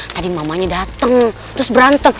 tadi mamanya datang terus berantem